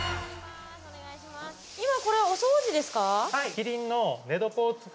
今これお掃除ですか？